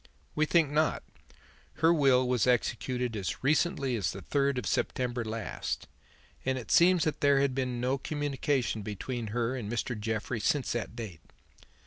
"We think not. Her will was executed as recently as the third of September last, and it seems that there had been no communication between her and Mr. Jeffrey since that date.